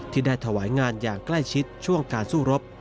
ที่ได้ถวายงานอย่างใกล้ชิดช่วงการสู้รบ